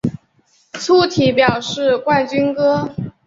粗体表示冠军歌